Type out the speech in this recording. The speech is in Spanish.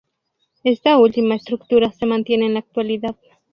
Esta última estructura se mantiene en la actualidad.